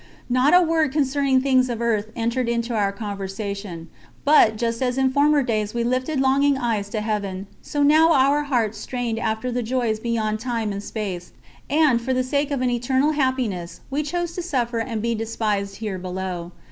Not a word concerning things of earth entered into our conversation; but, just as in former days we lifted longing eyes to Heaven, so now our hearts strained after the joys beyond time and space, and, for the sake of an eternal happiness, we chose to suffer and be despised here below.